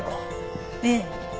ええ。